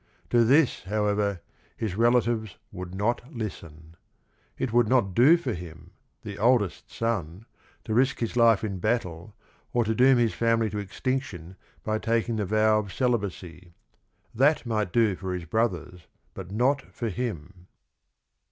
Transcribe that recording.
To this, however, his relatives would not listen. It would not do for him — the oldest son, to risk his life in battle or to doom his family to extinction by taking the vow of celibacy. That might do for his brothers but not for him.